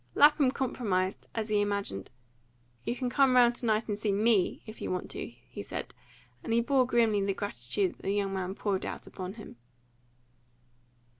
Lapham compromised, as he imagined. "You can come round to night and see ME, if you want to," he said; and he bore grimly the gratitude that the young man poured out upon him.